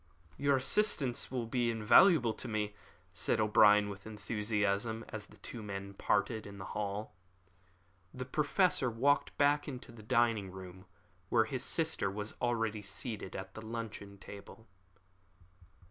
"Your assistance will be invaluable to me," said O'Brien, with enthusiasm, and the two men parted in the hall. The Professor walked back into the dining room, where his sister was already seated at the luncheon table.